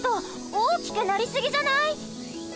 おおきくなりすぎじゃない？